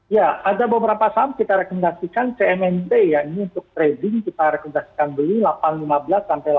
ya ada beberapa sam kita rekomendasikan cmnt ya ini untuk trading kita rekomendasikan beli delapan ratus lima belas sampai delapan ratus tujuh puluh lima